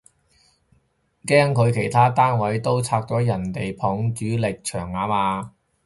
驚佢其他單位都拆咗人哋埲主力牆吖嘛